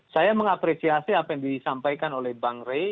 saya mengapresiasi apa yang disampaikan oleh bang rey